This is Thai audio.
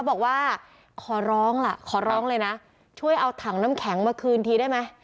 บอกว่าขอร้องล่ะขอร้องเลยนะช่วยเอาถังน้ำแข็งมาคืนทีได้ไหม